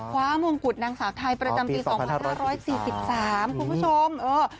ความวงกุฎนางศาสตร์ไทยประจำปี๒๕๔๓คุณผู้ชม